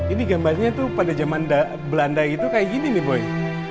ini gambarnya tuh pada zaman belanda itu kayak gini nih boy